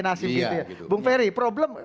nasib itu ya bung ferry problem